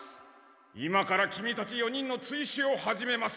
今からキミたち４人の追試を始めます。